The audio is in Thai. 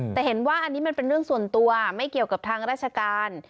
แต่เห็นว่าอันนี้มันเป็นเรื่องส่วนตัวไม่เกี่ยวกับทางราชการ